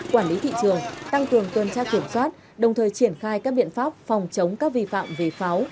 quản lý thị trường tăng cường tuần tra kiểm soát đồng thời triển khai các biện pháp phòng chống các vi phạm về pháo